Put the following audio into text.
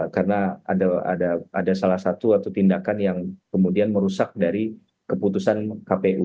karena ada salah satu atau tindakan yang kemudian merusak dari keputusan kpu